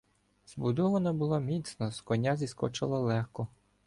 Збудована була міцно, з коня зіскочила легко.